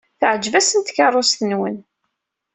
Teɛjeb-asen tkeṛṛust-nwen.